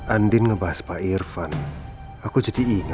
andin ngebahas pak irfan aku jadi ingat